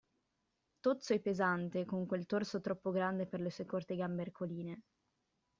Tozzo e pesante, con quel torso troppo grande per le sue corte gambe ercoline.